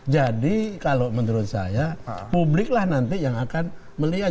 jadi kalau menurut saya publiklah nanti yang akan melihat